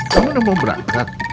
kamu udah mau berangkat